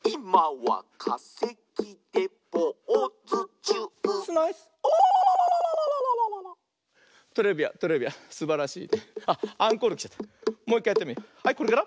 はいこれから。